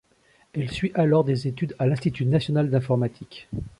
Elle suit alors des études à l'institut national d'informatique.